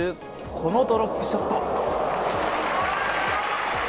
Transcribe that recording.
このドロップショット。